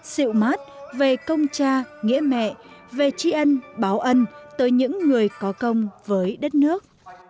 siệu mát về công cha nghĩa mẹ về tri ân báo ân tới những người có công với đất nước